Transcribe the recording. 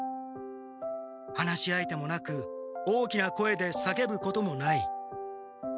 話し相手もなく大きな声でさけぶこともない。